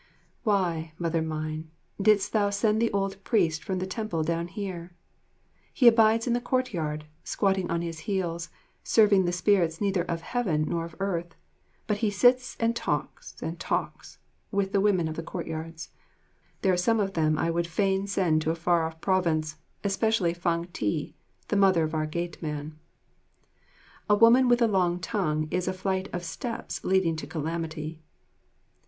Why, Mother mine, didst thou send the old priest from the temple down here? He abides in the courtyard, squatting on his heels, serving the spirits neither of Heaven nor of earth, but he sits and talks and talks and talks with the women of the courtyards. There are some of them I would fain send to a far off province, especially Fang Tai, the mother of our gateman. "A woman with a long tongue is a flight of steps leading to calamity."